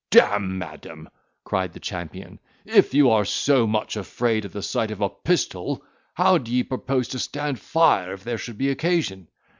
"D—me, madam," cried the champion, "if you are so much afraid at the sight of a pistol, how d'ye propose to stand fire if there should be occasion?"